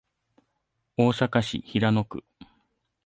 大阪市平野区